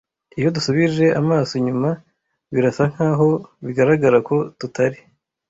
Iyo dusubije amaso inyuma, birasa nkaho bigaragara ko tutari